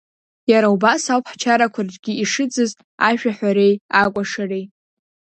Иара убас ауп ҳчарақәа рҿгьы ишыӡыз ашәаҳәареи акәашареи.